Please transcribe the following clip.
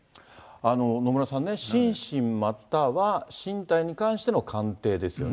野村さんね、心身または身体に関しての鑑定ですよね。